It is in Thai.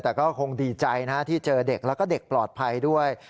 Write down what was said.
แต่ก็คงดีใจนะที่เจอเด็กแล้วก็เด็กปลอดภัยด้วย